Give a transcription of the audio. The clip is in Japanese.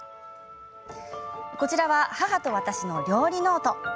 こちらは母と私の「料理ノート」。